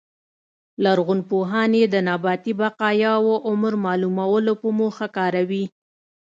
لرغونپوهان یې د نباتي بقایاوو عمر معلومولو په موخه کاروي